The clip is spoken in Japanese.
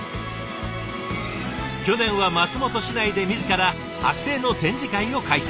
去年は松本市内で自ら剥製の展示会を開催。